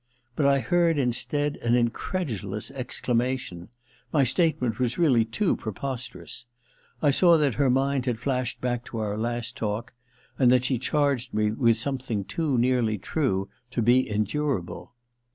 But I heard, instead, an incredulous exclamation : my statement was really too pre posterous! I saw that her mind had flashed back to our last talk, and that she charged me with something too nearly true to be en durable.